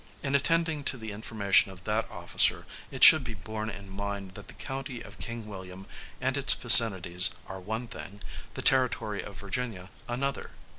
In attending to the information of that officer, it should be borne in mind that the county of King William and its vicinities are one thing, the territory of Virginia another.